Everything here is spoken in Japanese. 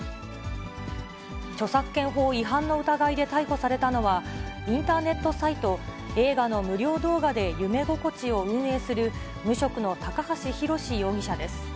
著作権法違反の疑いで逮捕されたのは、インターネットサイト、映画の無料動画で夢心地を運営する無職の高橋浩容疑者です。